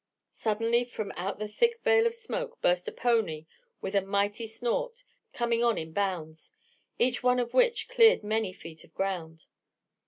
Suddenly from out the thick veil of smoke burst a pony with a mighty snort, coming on in bounds, each one of which cleared many feet of ground.